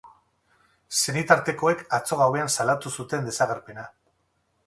Senitartekoek atzo gauean salatu zuten desagerpena.